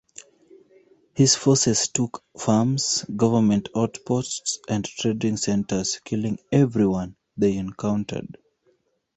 His forces took farms, government outposts, and trading centers, killing everyone they encountered.